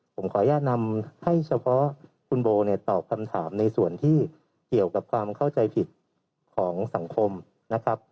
ผมขออนุญาตนำให้เฉพาะคุณโบเนี่ยตอบคำถามในส่วนที่เกี่ยวกับความเข้าใจผิดของสังคมนะครับ